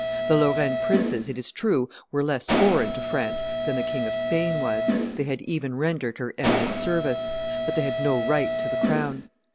The Lorraine princes, it is true, were less foreign to France than the King of Spain was; they had even rendered her eminent service; but they had no right to the crown.